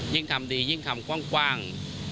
ยิ่งทำดียิ่งทำกว้าง